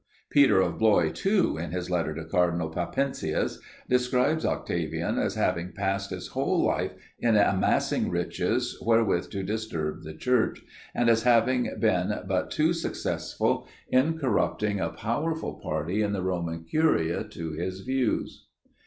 Peter of Blois, too, in his letter to cardinal Papiensis, describes Octavian as having passed his whole life in amassing riches wherewith to disturb the Church, and as having been but too successful in corrupting a powerful party in the Roman curia to his views.